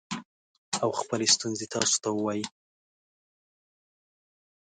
او خپلې ستونزې تاسو ته ووايي